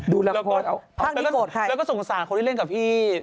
ดูแล้วโพสเอาแล้วก็สงสารคนที่เล่นกับพี่